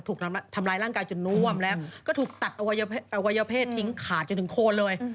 ถูกทำร้ายร่างกายจนน่วมแล้วก็ถูกตัดอวัยเพศทิ้งขาดจนถึงโคนเลย